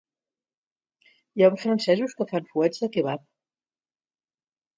Hi ha uns francesos que fan fuets de kebab